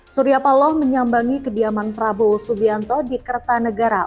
surya paloh menyambangi kediaman prabowo subianto di kertanegara